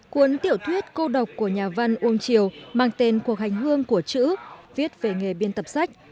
cuốn tiểu thuyết cô độc của nhà văn uông triều mang tên cuộc hành hương của chữ viết về nghề biên tập sách